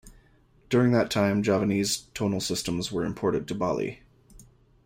During that time, Javanese tonal systems were imported to Bali.